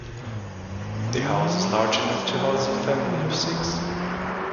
The house is large enough to house a family of six.